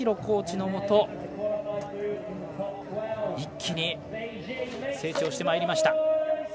コーチのもと一気に成長してまいりました。